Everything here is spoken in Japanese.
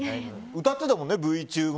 歌ってたもんね